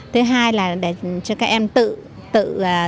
thứ hai là để cho các em tự giới thiệu với nhau